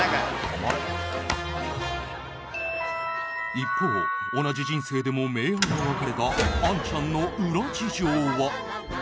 一方同じ人生でも明暗が分かれたアンちゃんの裏事情は。